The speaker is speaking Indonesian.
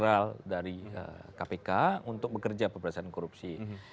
mereka adalah bagian integral dari kpk untuk bekerja perperasaan korupsi